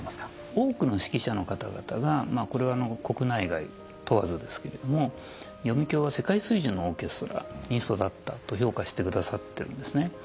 多くの指揮者の方々がこれは国内外問わずですけれども読響は世界水準のオーケストラに育ったと評価してくださってるんですね。